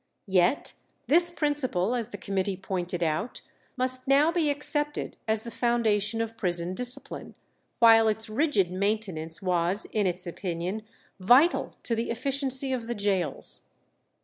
Yet this principle, as the committee pointed out, "must now be accepted as the foundation of prison discipline," while its rigid maintenance was in its opinion vital to the efficiency of the gaols.